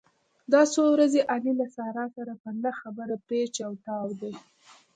دا څو ورځې علي له سارې سره په نه خبره پېچ او تاو دی.